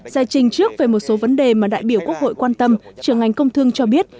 giải trình trước về một số vấn đề mà đại biểu quốc hội quan tâm trường ngành công thương cho biết